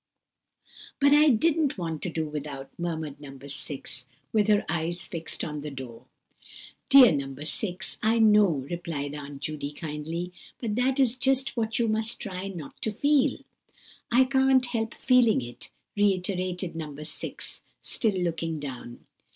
"But I didn't want to do without," murmured No. 6, with her eyes fixed on the floor. "Dear No. 6, I know," replied Aunt Judy, kindly; "but that is just what you must try not to feel." "I can't help feeling it," reiterated No. 6, still looking down.